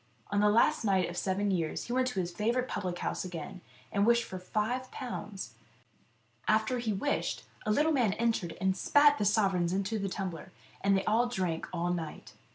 On the last night of the seven years he went to his favourite public house again, and wished for five pounds. After he wished, a little man entered and spat the sovereigns into the tumbler, and they all drank all night.